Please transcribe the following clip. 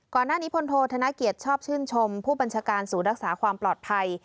ก่อนหน้านี้พลโทษธนเกียรติชอบชื่นชมผู้บัญชาการศูนย์รักษาความปลอดภัย